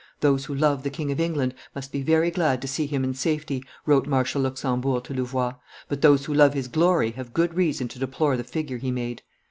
"Those who love the King of England must be very glad to see him in safety," wrote Marshal Luxembourg to Louvois; "but those who love his glory have good reason to deplore the figure he made."